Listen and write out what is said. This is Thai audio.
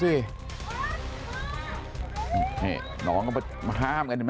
อื้อนะเฮ้นน้องมันมาอามกันสิไหม